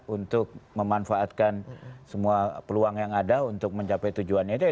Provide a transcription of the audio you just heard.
untuk memanfaatkan semua peluang yang ada untuk mencapai tujuannya